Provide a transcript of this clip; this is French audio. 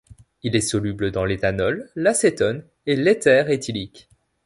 Il est soluble dans l'éthanol, l'acétone et l'éther éthylique.